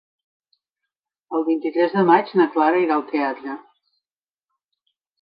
El vint-i-tres de maig na Clara irà al teatre.